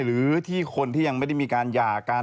หรือที่คนที่ยังไม่ได้มีการหย่ากัน